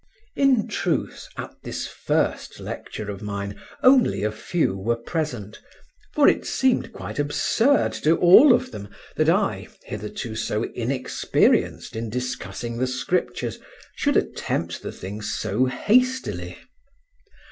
In truth at this first lecture of mine only a few were present, for it seemed quite absurd to all of them that I, hitherto so inexperienced in discussing the Scriptures, should attempt the thing so hastily.